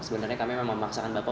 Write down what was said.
sebenarnya kami memang memaksakan bapak